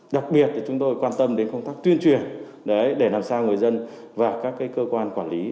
đặc biệt chúng tôi quan tâm đến công tác tuyên truyền để làm sao người dân và các cơ quan quản lý